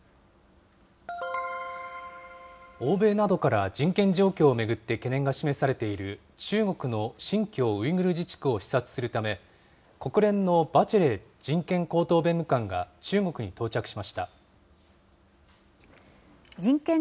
欧米などから人権状況を巡って懸念が示されている、中国の新疆ウイグル自治区を視察するため、国連のバチェレ人権高等弁務官が中国に到着しました。